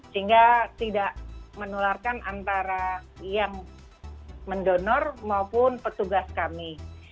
sehingga tidak menularkan antara yang mendonor maupun petugas kami